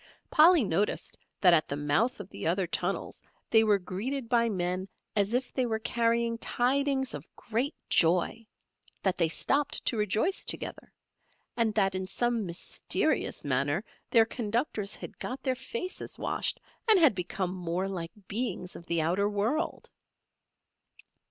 Polly noticed that at the mouth of the other tunnels they were greeted by men as if they were carrying tidings of great joy; that they stopped to rejoice together, and that in some mysterious manner their conductors had got their faces washed, and had become more like beings of the outer world.